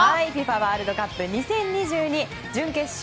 ワールドカップ２０２２準決勝